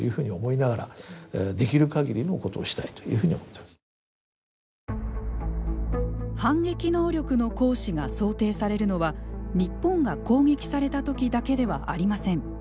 そこまで我々も反撃能力の行使が想定されるのは日本が攻撃されたときだけではありません。